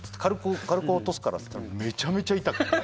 軽く落とすから」っつったらめちゃめちゃ痛くて。